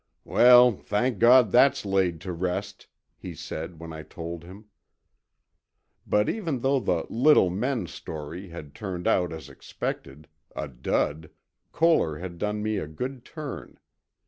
"Well, thank God that's laid to rest," he said when I told him. But even though the "little men" story had turned out as expected—a dud, Koehler had done me a good turn.